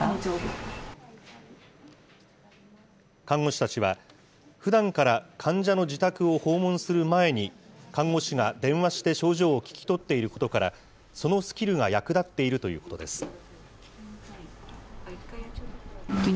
看護師たちは、ふだんから患者の自宅を訪問する前に、看護師が電話して症状を聞き取っていることから、そのスキルが役立っているということです。